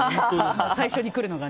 最初に来るのがね。